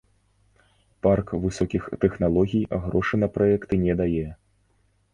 Парк высокіх тэхналогій грошы на праекты не дае.